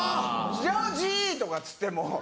「ジョージ！」とかっつっても。